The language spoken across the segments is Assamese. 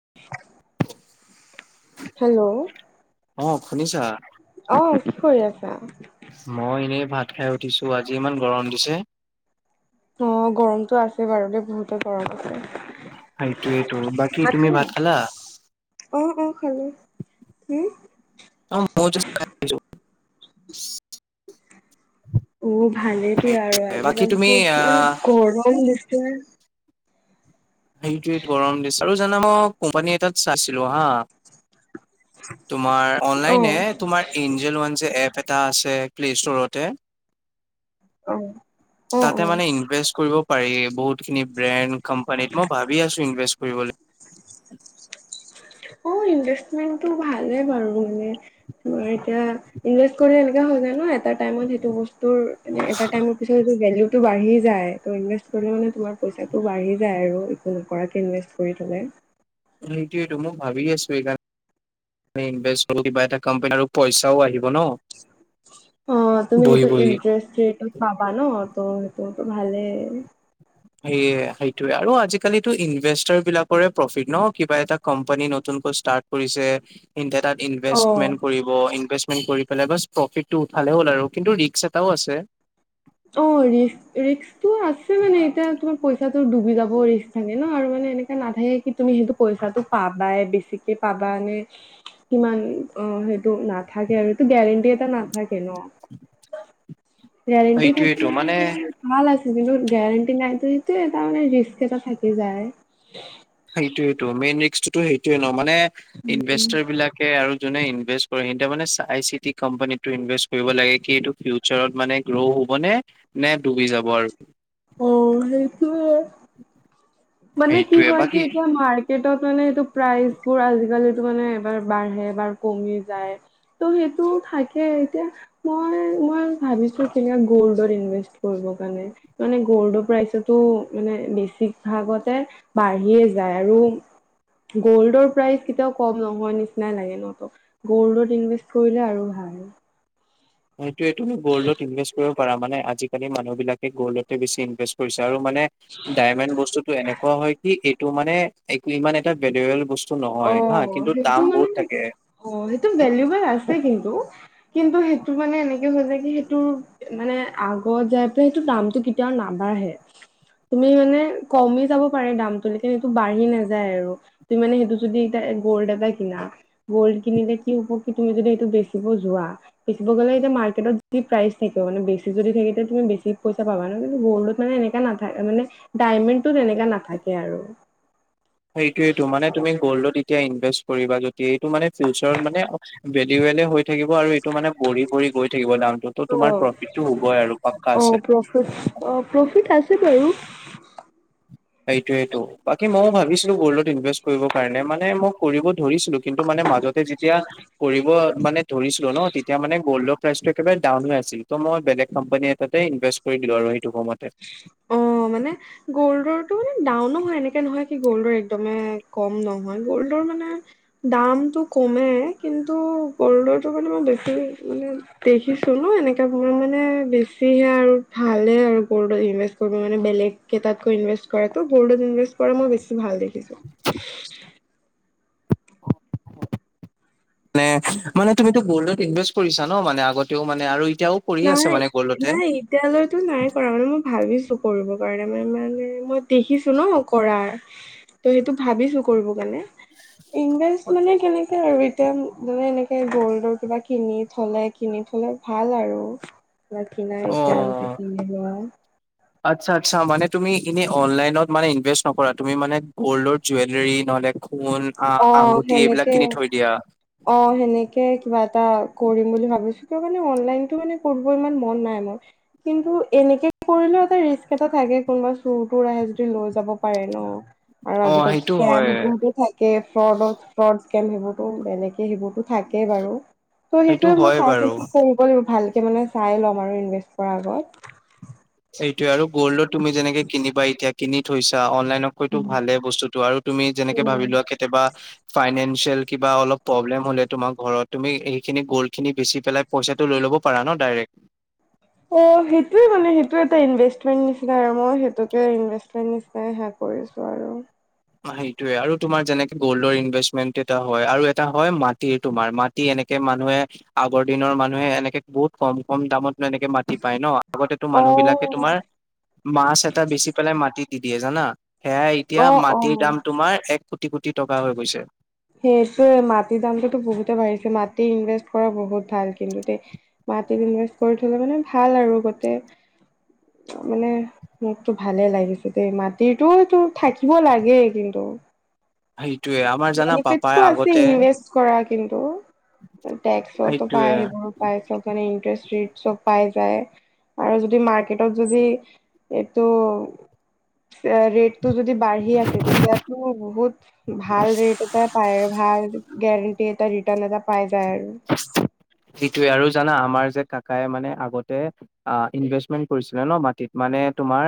[unintelligible] হেল্ল' অ, শুনিছা? অ, কি কৰি আছা? মই এনেই ভাত খাই উঠিছো। আজি ইমান গৰম দিছে। অ, গৰমটো আছে বাৰু, দে বহুতে গৰম আছে। সেইটোৱেটো, বাকী তুমি ভাত খালা? অ অ খালো হুউম অ, মইয়ো জাষ্ট খাই আহিছোঁ। উম ভালেই দিয়া আহিছো আৰু। বাকী তুমি আজিকালিটো ইমান আহ গৰম দিছে সেইটোৱেইট গৰম দিছে। আৰু জানা মই কোম্পানী এটাত চাইছিলো হা। তোমাৰ অ অনলাইনে তোমাৰ এঞ্জেল ওৱান যে এপচ এটা আছে, প্লে ষ্ট'ৰতে। অ অ অ তাতে মানে ইনভেষ্ট কৰিব, পাৰি, বহুত খিনি ব্ৰেণ্ড কোম্পানীত মই ভাবি আছো ইনভেষ্ট কৰিবলে অ, ইনভেষ্টমেন্টটো ভালে বাৰু মানে মই এতিয়া ইনভেষ্ট কৰিলে এনেকা হয় যায় ন, এটা টাইমত সেইটো বস্তুৰ মানে এটা টাইমত পিছত এইটো ভেলিউটো বাঢ়ি যায়। ইনভেষ্ট কৰিলে মানে তোমাৰ পইচাটো বাঢ়ি যায় আৰু একো নকৰাকে ইনভেষ্ট, কৰি থলে। সেইটোয়েইটো মই ভাবি আছো এইকাৰণে মানে ইনভেষ্ট কৰো, কিবা এটা কোম্পানী আৰু পইচাও আহিব ন। অ, তুমি বহি সেইটো বহি ইণ্টাৰেষ্টৰিটোত পাবা ন। ত সেইটোতো ভালে। সেইয়ে সেইটোয়ে আৰু। আজিকালিটো ইনভেষ্টাৰ বিলাকৰে প্ৰফিট ন। কিবা এটা কোম্পানী নতুনকৈ ষ্টাৰ্ট কৰিছে ইনতে তাত অ ইনভেষ্টমেন কৰি- ব ইনভেষ্টমেণ্ট কৰি পেলাই বাচ প্ৰফিটটো উঠালে হ'ল আৰু। কিন্তু ৰিক্স এটাও আছে। অ, ৰি্স ৰিক্স তো ৱা আছে মানে, এতিয়া তোমাৰ পইচাটোৰ ডুবি যাব ৰিক্স থাকে ন। আৰু মানে এনেকা লাহেকে তুমি সেইটো পইচাটো পাবাই, বেছিকে পাবানে কিমান? অ, সেইটো নাথাকে আৰু সেইটো গেৰেণ্টি এটা নাথাকে ন। গেৰেণ্টি থাকিলে মানে ভাল আছে। কিন্তু গেৰেণ্টি নাইটো সেইটোৱে এটা মানে ৰিস্ক এটা থাকি যায়। সেইটোয়েইটো, মেইন ৰিস্ক টো সেইটোয়ে ন। মানে ইনভেষ্টৰ বিলাকে আৰু যোনে ইনভেষ্ট কৰে সিহঁতে মানে চাই - চিতি কোম্পানীটো ইনভেষ্ট কৰিব লাগে। কি এইটো ফিউ- চাৰত মানে, গ্ল' হ'ব নে -নে ডুবি যাব আৰু। অ, সেইটোৱে মানে কি সেইটোয়ে হয়, কি বাকী এতিয়া মাৰ্ক ক্ৰিটত মানে, এইটো প্ৰাইছবোৰ আজিকালি এটো মানে এবাৰ বাঢ়ে, এইবাৰ কমি যায়। ত' সেইটো থাকে। এতিয়া, মই- মই ভাবিছো, [unintelligible] গল্ডৰ ইনভেষ্ট কৰিব কাৰণে। মানে গ'ল্ডৰ প্ৰাইচটো মানে বেছিক ভাগতে বাঢ়িয়ে যায় আৰু গ'ল্ডৰ প্ৰাইচ কেতিয়াও কম নহয় নিচিনাই লাগে ন তক গ'ল্ডত ইনভেষ্ট কৰিলে আৰু ভাল। সেইটোৱে তুমি গ'ল্ডত ইনভেষ্ট কৰিব পাৰ মানে আজিকালি মানুহ বিলাকে গ'ল্ডতে বেছি ইনভেষ্ট কৰিছে আৰু মানে ডায়মেণ্ড বস্তুটো এনেকুৱা হয় কি এই টো মানে এক্নি ইমান এটা গেডোৱেল বস্তু নহয় হা কিন্তু দাম বহুত থাকে। অহ সেইটো ভেলবেল আছে কিন্তু কিন্তু সেইটো মানে এনেকে হৈ যায় কি সেইটো মানে আগত যায় পেলাই সেইটো দামতটো কেতিয়াওঁ নাবাঢ়ে তুমি মানে কমি যাব পাৰে দামটো লেকিন সেইটো বাঢ়ি নাযায় আৰু তুমি মানে সেইটো বস্তু যদি এতিয়া গ'ল্ড এটা কিনা গ'ল্ড কিনিলে কি হব তুমি যদি সেইটো বেচিব যোৱা বেচিব গ'লে এতিয়া মাৰ্কেটত যি প্ৰাইজ থাকিব মানে বেছি যদি থাকে তুমি বেছি পইচা পাবা ন কিন্তু গল্ডত মানে এনেকা এনেকা নাথাকে মানে ডাইমন্দটো তেনেকা নাথাকে আৰু সেইটোৱেটো মানে তুমি গ'ল্ড ই এতিয়া ইনভেষ্ট কৰিবা যদি এইটো মানে ফিউচাৰ মান বেনিৱেন হৈ থাকিব আৰু এইটো মানে বঢ়ি বঢ়ি গৈ থাকিব দামটো তো তোমাৰ প্ৰফিটতো হবই আৰু পাক্কা আছে উহ অহ প্ৰ'ফিট আছে বাৰু সেইটোৱেতো বাকী ময়ো ভাবিছিলোঁ গ'ল্ডত ইনভেষ্ট কৰিবৰ কাৰণে মানে মোক কৰিব ধৰিছিলোঁ কিন্তু মানে মাজতে যেতিয়া কৰিব মানে ধৰিছিলোঁ ন তেতিয়া মানে গল্ডৰ প্ৰাইজটো একেবাৰে ডাউন হৈ আছিল ত' মই বেলেগ কোম্পানীয়ে এটাতে ইনভেষ্ট কৰি দিলো আৰু সেইটো সময়তে অহ মানে গ'ল্ডৰটো মানে ডাউনো হয় এনেকে নহয় যে গ'ল্ডৰ একদমে কম নহয় গ'ল্ডৰ মানে দামটো কমে কিন্তু গল্ডটো মানে মই বেছি মানে দেখি চলো এনেকাে বোৰ মানে বেছিহে আৰু ভালে আৰু গ'ল্ডত ইনভেষ্ট কৰিব মান বেলেগকে তাতকৈ ইনভেষ্ট কৰে তো গ'ল্ডত ইনভেষ্ট কৰে মই বেছি ভাল দেখি [unintelligible] মানে মানে তুমিতো গ'ল্ডত ইনভেষ্ট কৰিছা ন মানে আগতেও মানে আৰু এতিয়াও কৰি আছে মানে গ'ল্ডতে এতিয়ালৈ তো নাই কৰা মানে মই ভাবিছো কৰিব কাৰণে মানে মানে মই দেখিছো ন কৰাৰ তো' সেইটো ভাবিছো কৰিব কাৰণে ইনভেষ্ট মানে কেনেকে আৰু এনেকে মানে এনেকে গ'ল্ডৰ কিবা কিনি থলে কিনি থলে ভাল আৰু বাকী নাই অ এতিয়া যদি কিনি লোৱা আচ্ছা আচ্ছা মানে তুমি এনেই অনলাইনত মানে ইনভেষ্ট নকৰা তুমি মানে গ'ল্ডৰ জুৱেলৰী নহলে সোণ আঙুঠি এইবিলাক কিনি থৈ দিয়া অহ সেনেকে কিবা এটা কৰিম বুলি ভাবিছোঁ সেইটো কাৰণে তো মানে অনলাইনতো মানে কৰিব ইমান মন নাই মোৰ কিন্তু এনেকে কৰিলেও এটা ৰিক্সি এটা থাকে কোনোবা চুৰ তুৰ আহে যদি লৈ যাব পাৰে ন আৰু অ আজিকালি সেইটো সেয়া হয় বহুতো থয় সেই ফ্ৰড ফ্ৰড ইক্সেম সেইবোৰতো বেলেগ সেইবোৰতো থাকেই বাৰু ত' সেইটো সেইটোৱে মই হয় চাই বাৰু চিন্তি কৰিব লাগিব ভালকে মানে চাই ল'ম আৰু ইনভেষ্ট কৰাৰ আগত এইটোৱে আৰু গ'ল্ডত তুমি যেনেকে কিনিবা এতিয়া কিনি থৈছা অনলাইনত সমূহ হয়তো উম ভালে বস্তুতো আৰু তুমি যেনেকে উম ভাবি লোৱা কেতিয়াবা ফাইনেঞ্চিয়েল কিবা অলপ প্ৰব্লেম হলে তোমাক ঘৰত তুমি এইখিনি গল্ড খিনি বেছি পেলাই পইচাটো লৈ ল'ব পাৰা ন ডাইৰেক্ট অহ সেইটোৱে মানে সেইটো এটা ইনভেমেন্ট নিচিনাই আৰু মই সেইটোকে ইনভেমেন্ট নিচিনাই কৰিছোঁ আৰু অহ সেইটোৱে আৰু তোমাৰ যেনেকে গ'ল্ডৰ ইনভেষ্টমেন্ট এটা হয় আৰু এটা হয় মাটিৰ তোমাৰ মাটি মাটি এনেকে মানুহে আগৰ দিনৰ মানুহে এনেকে বহুত কম কম দামত এনেকে মাটি মাটি পায় ন আগতো অ মানুহ বিলাকে তোমাৰ মাছ এটা বেচি পেলাই মাটি দি দিয়ে জানা সেয়াই এতিয়া অ মাটিৰ অ দাম তোমাৰ এক কোটি কোটি টকা হৈ গৈছে সেইটোৱে মাটিৰ দামটো তো বহুতে বাঢ়িছে মাটি ইনভেষ্ট কৰা বহুত ভাল কিন্তু দেই মাটিত ইনভেষ্ট কৰি থলে মানে ভাল আৰু গোটেই মানে মোকতো ভালে লাগিছে দেই মাটিতো সেইটো থাকিব লাগে কিন্তু সেইটোয়ে আমাৰ জানা বেনিফিটটো পাপাই আছে আগতে ইনভেষ্ট কৰা কিন্তু টেক্স তোৰ সেইটোয়ে পাই আহিব। পাই আছ কাৰণে ইণ্টাৰেষ্ট ৰেটচ চব পাই যায়। আৰু যদি মাৰ্কেটত যদি এইটো ৰেট টো যদি বাঢ়ি আছে তেতিয়াটো বহুত ভাল ৰেট এটাই পায় আৰু ভাল কে গেৰাণ্টি এটা, ৰিটৰ্ন এটা পাই যায় আৰু। সেইটোৱে আৰু জানা আমাৰ যে কাকাই মানে আগতে অ ইনভেষ্টমেণ্ট কৰিছিলে ন মাটিত মানে তোমাৰ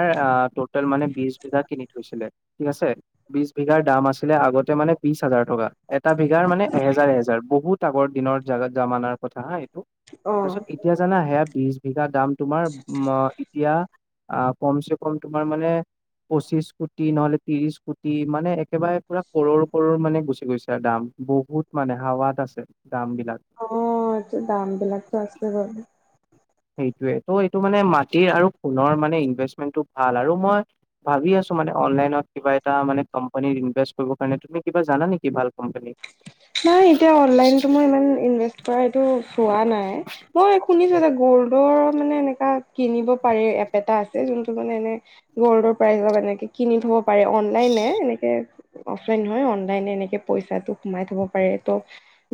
ট'টেল মানে বিশ বিঘা কিনি থৈছিলে। ঠিক আছে। বিশ বিঘাৰ দাম আছিলে আগতে মানে বিশ হাজাৰ টকা। এটা বিঘাৰ মানে এহেজাৰ এহেজাৰ বহুত আগৰ দিনৰ জাগা জামানাৰ কথা হা এইটো তাৰপিছত অ', এতি এতিয়া জানা সেইয়া বিশ বিঘা দাম তোমাৰ ম এতিয়া আ কম চে কম তোমাৰ মানে পঁচিশ কোটি নহ'লে ত্ৰিশ কোটি মানে একেবাৰে পুৰা কৰৰ কৰৰ মানে গুচি গৈছে আৰু দাম। বহুত মানে হাৱাত আছে দামবিলাক। অ এইটো দামবিলাকটো আছে বাৰু। সেইটোয়ে ত' এইটো মানে মাটিৰ আৰু সোণৰ মানে ইনভেষ্টমেন্টটো ভাল আৰু মই ভাবি আছো মানে অনলাইনত কিবা এটা মানে কম্পেনীত ইনভেষ্ট কৰিব কাৰণে। তুমি কিবা জানা নেকি ভাল কম্পেনী? নাই এতিয়া অনলাইন তোমাৰ ইমান ইনভেষ্ট কৰা এইটো পোৱা নাই মই শুনিছো এটা গল্ড ৰ মানে এনেকা কিনিব পাৰে এপ এটা আছে যোনটো মানে এনে গ'ল্ডৰ প্ৰাইজ এনেকে কিনি থব পাৰে অনলাইনে এনেকে অফলাইন হয় অনলাইন এনেকে পইচাটো সোমাই থব পাৰে ত'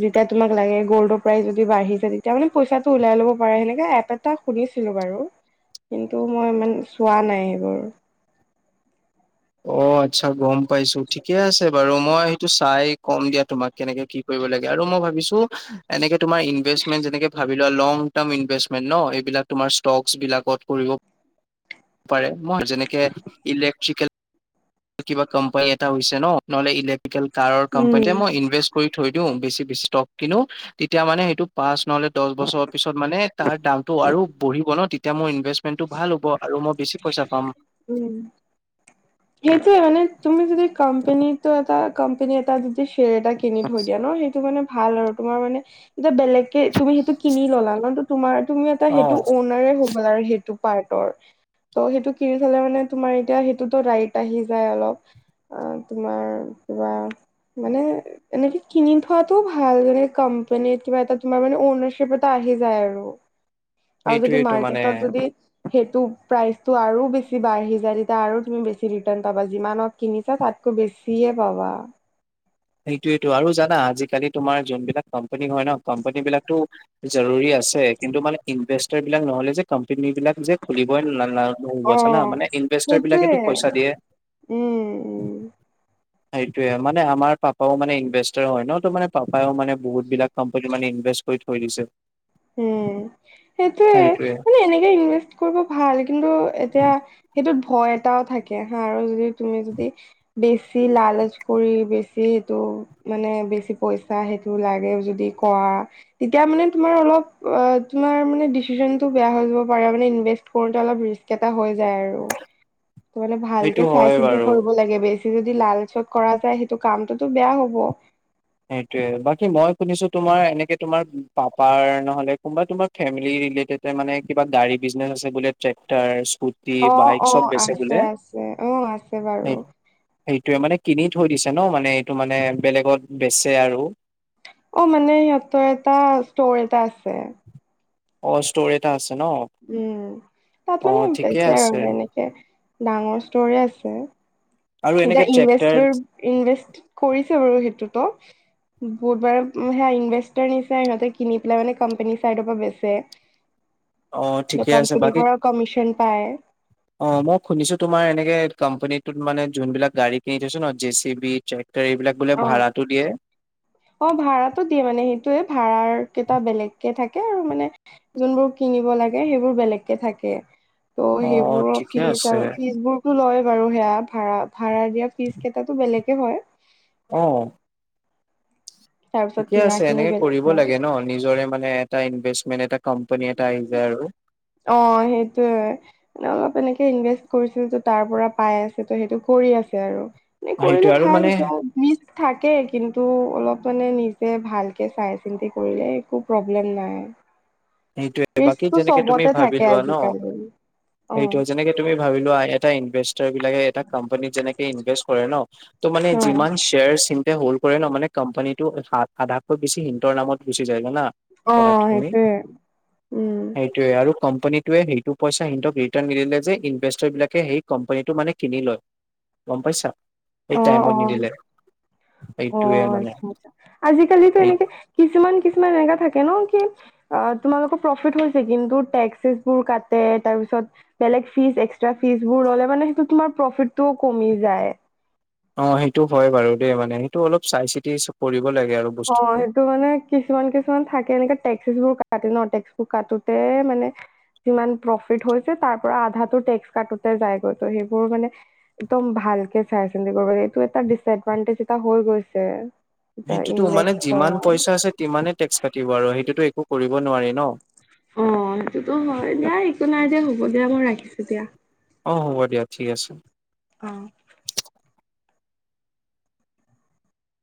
যেতিয়া তোমাক লাগে গল্ডৰ প্ৰাইজ যদি বাঢ়ি যায় তেতিয়া মানে পইচাটো ওলাই ল'ব পাৰে সেনেকা এপ এটা শুনিছিলো বাৰু কিন্তু মই ইমান চোৱা নাই সেইবোৰ। অ আচ্ছা গম পাইছো ঠিকে আছে বাৰু মই সেইটো চাই কম দিয়া তোমাক কেনেকে কি কৰিব লাগে আৰু মই ভাবিছো এনেকে তোমাৰ ইনভেষ্টমেণ্ট যেনেকে ভাবি লংটাৰ্ম ইনভেষ্টমেন্ট ন এইবিলাক তোমাৰ ষ্টক বিলাকত কৰিব পাৰে মই যেনেকে ইলেক্ট্ৰিকেল কিবা কোম্পানী এটা হৈছে ন নহ'লে ইলেক্ট্ৰিকেল কাৰৰ কম্পেনী উম। যে মই ইনভেষ্ট কৰি থৈ দিও বেছি বেছি ষ্টক কিনো তেতিয়া মানে সেইটো পাঁচ নহ'লে দহ বছৰৰ তাৰপিছত মানে তাৰ দামটো আৰু বঢ়িব ন তেতিয়া মোৰ ইনভেষ্টমেণ্টটো ভাল হ'ব আৰু মই বেছি পইচা পাম। উম। সেইটোৱে মানে তুমি যদি কোম্পানীটো এটা কোম্পানী এটা যদি শ্বেয়াৰ এটা কিনি থৈ দিয়া ন সেই টো মানে ভাল আৰু তোমাৰ মানে এতিয়া বেলেগকে তুমি সেইটো কিনি ল'লা ন তোমাৰ তুমি এটা অ'। সেইটো ঔনাৰে হ হ'লা আৰু সেইটো পাৰ্টৰ ত' সেইটো কিনি থ'লে মানে তোমাৰ এতিয়া সেইটো টো ৰাইট ট আহি যায় অলপ আ তোমাৰ কিবা মানে এনেকে কিনি থোৱাটো ভাল মানে কোম্পানীত কিবা এটা তোমাৰ মানে ঔনাৰশ্বিপ এটা আহি যায় আৰু। [inaudible] আৰু যদি সেইটোৱেইটো মানে মাৰ্কেটত যদি সেইটো প্ৰাইচটো আৰু বেছি বাঢ়ি যাই তেতিয়া আৰু তুমি বেছি ৰিটাৰ্ণ পাবা যিমানত কিনিছা তাতকৈ বেছিয়ে পাবা। সেইটোৱেটো আৰু জানা আজিকালি তোমাৰ যোনবিলাক কম্পেনী হয় ন কম্পেনী বিলাকতো জৰুৰী আছে কিন্তু মানে ইনভেষ্টাৰবিলাক নহ'লে যে কোম্পেনীবিলাক যে খুলিবই নাল নহ'ব জানা অ', মানে ইনভেষ্টাৰ সেইটোৱে। বিলাকেইটো পইচা দিয়ে। উম উম। সেইটোৱে মানে আমাৰ পাপ- পাপাও মানে ইনভেষ্টৰ হয় ন ত মানে পাপায় ও মানে বহুত বিলাক কোম্পানী মানে ইনভেষ্ট কৰি থৈ দিছে। উম সেইটোয়ে মানে এনেকে ইনভেষ্ট কৰিব ভাল কিন্তু এতিয়া- সেইটোত ভয় এটাও থাকে হা আৰু যদি তুমি যদি- বেছি লালচ কৰি বেছি এইটো- মানে বেছি পইচা সেইটো লাগে যদি কৰা তেতিয়া মানে তোমাৰ অলপ- অ তোমাৰ মে ডিচিচনটো বেয়া হৈ যাব পাৰে মানে ইনভেচ কৰোঁতে অলপ ৰিস্ক এটা হৈ যায় আৰু- তো মানে সেইটো ভালকে চাই হয় চিন্তি বাৰু কৰিব লাগে বেষ্ট- যদি লালচত কৰা যায় সেইটো কামটোতো বেয়া হ'ব। সেইটোয়ে বাকী মই শুনিছো তোমাৰ এনেকে তোমাৰ পাপাৰ নহলে কোনোবা তোমাৰ- ফেমিলি ৰিলেটেডে মানে কিবা গাড়ী বিজনেছ আছে বোলে ট্ৰেক্টাৰ ইছপুত? অঁ অঁ আছে আছে অঁ আছে বাৰু। সেইটোয়ে মানে কিনি থৈ দিছে ন মানে এইটো মানে বেলেগত বেচে আৰু? অ মানে সিহঁতৰ এটা ষ্টৰ এটা আছে। অ ষ্টৰে এটা আছে ন। উম তাত অ মানে ঠিকে বেচে আছে আৰু এনেকে ডাঙৰ ষ্টৰে আছে। আৰু এতিয়া এনেকে ট্ৰেক্টাৰ ইনভেষ্টৰ ইনভেষ্ট কৰিছে বাৰু সেইটোতো- বুধবাৰৰ সেয়া ইনভেষ্টাৰ নিছা সিহঁতে কিনি পেলাই মানে কোম্পেনীৰ চাইডৰ পৰা বেছে। [unintelligible] অ ঠিকে আছে কোম্পানী বাকী পৰাৰ কমিশন পায়। অ মই শুনিছো তোমাৰ এনেকে কোম্পানীটোত মানে যোন বিলাক গাড়ী কিনি থৈছো ন জে চি বি- এইবিলাক বোলে অ ভাড়াটো দিয়ে? অ ভাড়াতো দিয়ে মানে সেইটোয়ে ভাড়াৰ কেইটা বেলেগকে থাকে আৰু মানে- যোনবোৰ কিনিব লাগে সেইবোৰ বেলেগকে থাকে। ত' অ সেইবোৰৰ ঠিকে ফিজ আছে আৰু ফিজ বোৰতো লয় বাৰু সেয়া ভাড়াত। ভাড়া দিয়া ফিজ কেইটাটো বেলেগে হয়। অঁ। তাৰপিছত ঠিকে কিনা আছে খিনি এনেকে বেলেগ কৰিব হয় লাগে ন নিজৰে মানে এটা ইনভেষ্টমেন্ট এটা কোম্পানী এটা আহি যায় আৰু। অঁ সেইটোয়ে। মানে অলপ এনেকে ইনভেষ্ট কৰিছিল তাৰ পৰা পাই আছে ত সেইটো কৰি আছে আৰু- এনেই সেইটোৱে কৰিলে আৰু ভাল মানে এইটো। মিচ থাকে কিন্তু অলপ মানে নিজে ভালকৈ চাই চিন্তি কৰিলে একো প্ৰব্লেম নাই। সেইটোয়ে বাকী ৰিস্কটো যেনেকে তুমি চবতে ভাবি থাকে লোৱা ন আজিকালি সেইটো অ', যেনেকে- তুমি ভাবিলো এটা ইনভেষ্টাৰ বিলাকে এটা কোম্পানীত যেনেকে ইনভেষ্ট কৰে ন- ত মানে অ', যিমান শ্বেয়াৰ চিম- হ'ল্ড কৰে ন মান কোম্পানীটো আধাতকৈ বেছি ইণ্টৰ নামত গুচি যায় জানা। অঁ সেইটোয়ে উম। সেইটোৱে আৰু কম্পেনীটোৱে সেইটো পইচা ইণ্টক ৰিটাৰ্ন নিদিলে যে ইনভেষ্টৰ বিলাকে সেই কম্পেনীটো মানে কিনি লয়। গম পাইছা। সেই অঁ টাইমত অঁ নিদিলে সেইটোয়ে অঁ মানে আচ্ছা আচ্ছা আজিকালিতো সেই এনেকে- কিছুমান কিছুমান এনেকা থাকে ন কি- অ তোমালোকৰ প্ৰফিট হৈছে কিন্তু টেক্সছ বোৰ কাটে তাৰপিছত- বেলেগ ফীজ এক্সট্ৰা ফীজ বোৰ ল'লে মানে সেইটো তোমাৰ প্ৰফিটটোও কমি যায়। অ সেইটো হয় বাৰু দেই মানে সেইটো অলপ চাই চিতি কৰিব লাগে আৰু। বস্তুটো [unintelligible] টো মানে কিছুমান কিছুমান থাকে এনে টেক্সবোৰ কাটে ন টেক্স বোৰ কাটোতে মানে যিমান প্ৰফিট হৈছে তাৰ পৰা আধা টেক্স কাটোতে যায়গৈ ত' সেইবোৰ মানে একদম ভালকে চাই চিন্তি কৰিব এইটো এটা ডিচএডভানটেজ এটা হৈ গৈছে। এটা সেইটোতো মানে ইনভেষ্ট যিমান কৰা পইচা আছে তিমানে টেক্স কাতিব আৰু সেইটোতো একো কৰিব নোৱাৰি ন। অ' সেইটোতো হয়, দিয়া একো নাই দিয়া হ'ব দিয়া মই ৰাখিছো দিয়া। অ' হ'ব দিয়া ঠিক আছে। অ'।